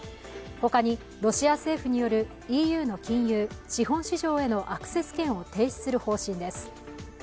他に、ロシア政府によるＥＵの金融・資本市場へのアクセス権を停止する方針です。